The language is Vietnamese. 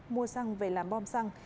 mua xăng về làm bom xăng